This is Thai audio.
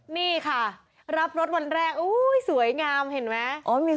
นี่ค่ะรับรถวันแรกสวยงามเห็นไหม